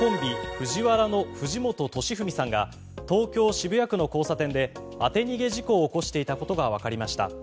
ＦＵＪＩＷＡＲＡの藤本敏史さんが東京・渋谷区の交差点で当て逃げ事故を起こしていたことがわかりました。